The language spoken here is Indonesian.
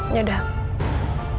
jangan mikir istri allah sendiri